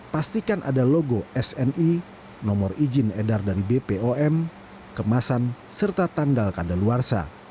pastikan ada logo sni nomor izin edar dari bpom kemasan serta tanggal kadaluarsa